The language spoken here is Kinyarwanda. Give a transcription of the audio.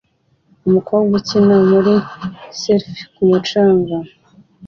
Umukobwa akina muri serf ku mucanga